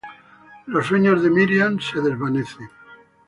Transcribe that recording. Los sueños de Myriam se desvanecen.